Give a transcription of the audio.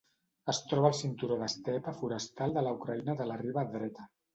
Es troba al cinturó d'estepa forestal de la Ucraïna de la riba dreta.